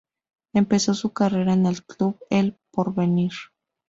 Empezó su carrera en el Club El Porvenir.